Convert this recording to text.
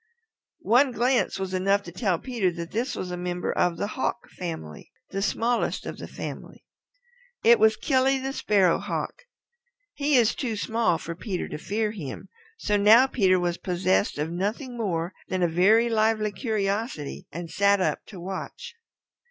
One glance was enough to tell Peter that this was a member of the Hawk family, the smallest of the family. It was Killy the Sparrow Hawk. He is too small for Peter to fear him, so now Peter was possessed of nothing more than a very lively curiosity, and sat up to watch.